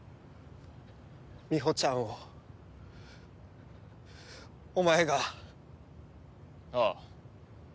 みほちゃんをお前が。ああ。